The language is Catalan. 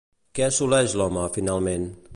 Què assoleix l'home finalment?